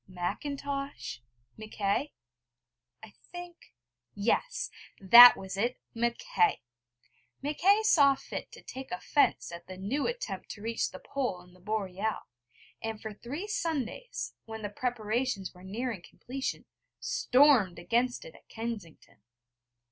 Macintosh? Mackay? I think yes, that was it! Mackay. Mackay saw fit to take offence at the new attempt to reach the Pole in the Boreal; and for three Sundays, when the preparations were nearing completion, stormed against it at Kensington.